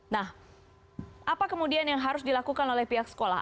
nah apa kemudian yang harus dilakukan oleh pihak sekolah